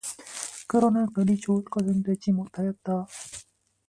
그러나 그리 좋을 것은 되지 못하였다.